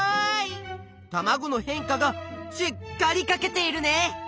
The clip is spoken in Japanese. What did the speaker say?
たまごの変化がしっかりかけているね！